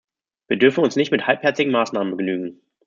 Wir dürfen uns nicht mit halbherzigen Maßnahmen begnügen.